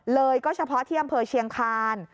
เลยก็เฉพาะที่อำเภอเชียงคาน